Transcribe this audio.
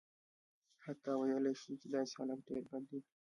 حتی ویلای شو چې داسې حالت ډېر بد دی.